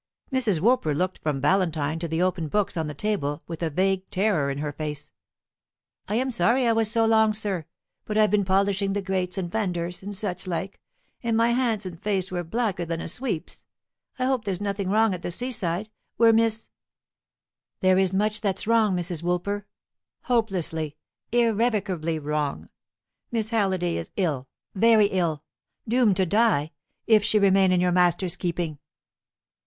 Mrs. Woolper looked from Valentine to the open books on the table with a vague terror in her face. "I am sorry I was so long, sir; but I'd been polishing the grates and fenders, and such like, and my hands and face were blacker than a sweep's. I hope there's nothing wrong at the seaside, where Miss " "There is much that's wrong, Mrs. Woolper hopelessly, irrecoverably wrong. Miss Halliday is ill, very ill doomed to die, if she remain in your master's keeping."